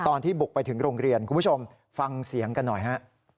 ตอนที่บุกไปถึงโรงเรียนคุณผู้ชมฟังเสียงกันหน่อยฮะ